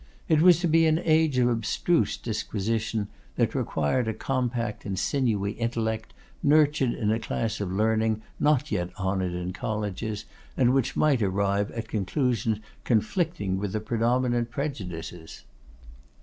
It was to be an age of abstruse disquisition, that required a compact and sinewy intellect, nurtured in a class of learning not yet honoured in colleges, and which might arrive at conclusions conflicting with predominant prejudices.